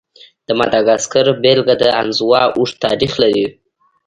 د ماداګاسکار بېلګه د انزوا اوږد تاریخ لري.